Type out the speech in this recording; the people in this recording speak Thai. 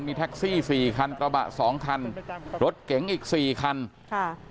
มีแท็กซี่สี่คันกระบะสองคันรถเก๋งอีกสี่คันค่ะ